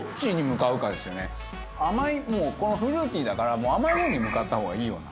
甘いもうこのフルーティーだから甘いものに向かった方がいいような。